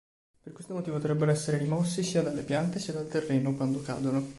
Per questo motivo dovrebbero essere rimossi sia dalle piante sia dal terreno, quando cadono.